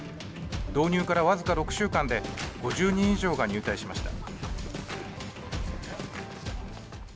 導入から僅か６週間で、５０人以上が入隊しました。